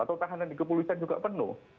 atau tahanan di kepolisian juga penuh